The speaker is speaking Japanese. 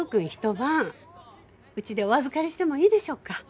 晩うちでお預かりしてもいいでしょうか？